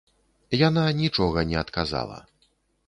Яна нічога не адказала.